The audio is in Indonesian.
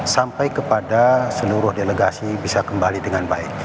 sampai kepada seluruh delegasi bisa kembali dengan baik